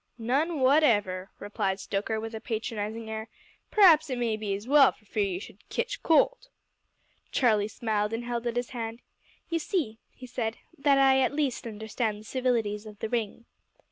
"None whatever," replied Stoker, with a patronising air; "p'r'aps it may be as well for fear you should kitch cold." Charlie smiled, and held out his hand "You see," he said, "that at least I understand the civilities of the ring."